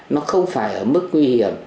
nó không phải ở mức nguy hiểm